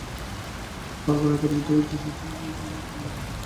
তার কারণ, এই পারিবারিক দ্বৈরাজ্যে ব্যবস্থাবিধি শর্মিলার অধিকারে।